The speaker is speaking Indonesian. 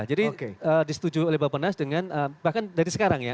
jadi disetujui oleh bapak nas dengan bahkan dari sekarang ya